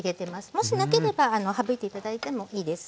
もしなければ省いて頂いてもいいです。